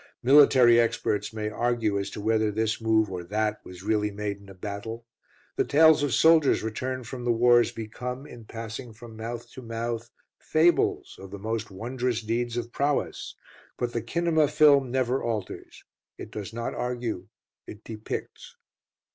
Military experts may argue as to whether this move or that was really made in a battle: the tales of soldiers returned from the wars become, in passing from mouth to mouth, fables of the most wondrous deeds of prowess. But the kinema film never alters. It does not argue. It depicts.